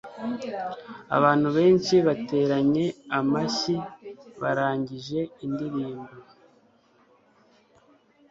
abantu benshi bateranye amashyi barangije indirimbo